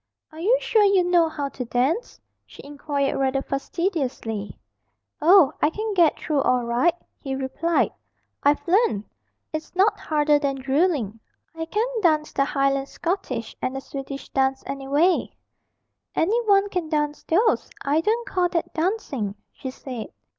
'Are you sure you know how to dance?' she inquired rather fastidiously. 'Oh, I can get through all right,' he replied. 'I've learnt. It's not harder than drilling. I can dance the Highland Schottische and the Swedish dance, any way.' 'Any one can dance those. I don't call that dancing,' she said.